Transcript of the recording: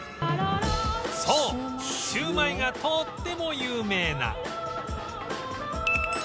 そうシューマイがとっても有名な